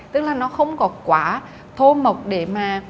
tức là nó không có quá thô mộc để mà